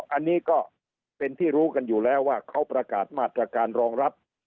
อันนี้ก็เป็นที่รู้กันอยู่แล้วว่าเขาประกาศมาตรการรองรับ